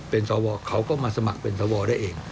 เป็นสวเขาก็มาสมัครเป็นสวได้เอง